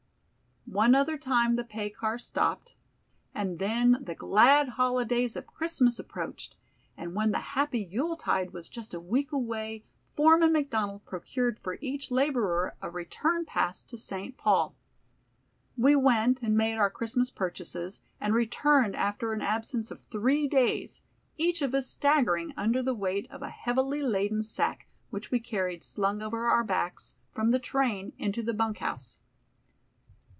One other time the pay car stopped, and then the glad holidays of Christmas approached, and when the happy Yule tide was just a week away, Foreman McDonald procured for each laborer a return pass to St. Paul. We went and made our Christmas purchases and returned after an absence of three days, each of us staggering under the weight of a heavily laden sack which we carried slung over our backs, from the train into the bunk house.